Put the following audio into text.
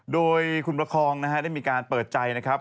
โดยคุณประคองนะฮะได้มีการเปิดใจนะครับ